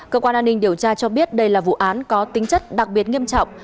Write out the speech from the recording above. cơ quan an ninh điều tra cho biết đây là vụ án có tính chất đặc biệt nghiêm trọng